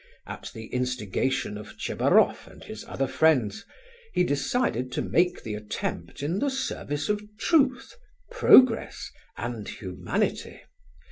At the instigation of Tchebaroff and his other friends, he decided to make the attempt in the service of truth, progress, and humanity.